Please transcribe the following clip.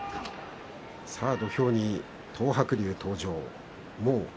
土俵には東白龍、登場です。